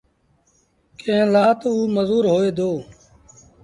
ڪݩهݩ لآ تا اوٚ مزوٚر هوئي دو